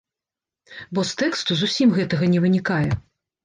Бо з тэксту зусім гэтага не вынікае.